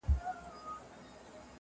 چپ سه چـــپ ســــه نور مــه ژاړه,